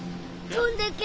飛んでけ！